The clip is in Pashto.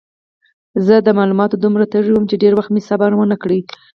زه د معلوماتو دومره تږی وم چې ډېر وخت مې صبر ونه کړ.